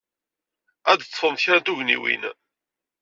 Ad d-teḍḍfemt kra n tugniwin.